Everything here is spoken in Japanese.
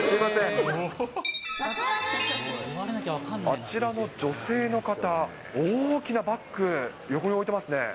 あちらの女性の方、大きなバッグ、横に置いてますね。